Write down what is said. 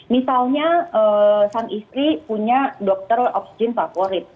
misalnya sang istri punya dokter oksigen favorit